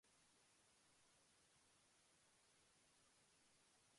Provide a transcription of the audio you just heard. Es un día hermoso para pasear por el parque y disfrutar de la naturaleza.